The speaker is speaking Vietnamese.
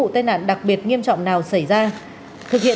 đến năm cao suy vào sự như ý